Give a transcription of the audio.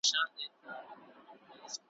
یو څو شپې یې کورته هیڅ نه وه ور وړي `